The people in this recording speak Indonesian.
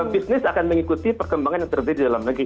bisnis akan mengikuti perkembangan yang terjadi di dalam negeri